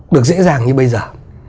được dễ dàng như bây giờ